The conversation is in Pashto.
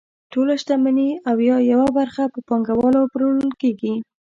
ټوله شتمني او یا یوه برخه په پانګوالو پلورل کیږي.